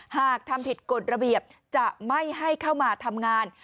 หากทำผิดกฎระเบียบจะไม่ให้เข้ามาทำงาน